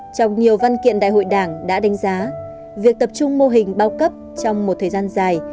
trong nhiều văn kiện đại hội đảng đã đánh giá việc tập trung mô hình bao cấp trong một thời gian dài